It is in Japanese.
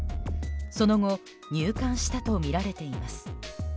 その後入館したとみられています。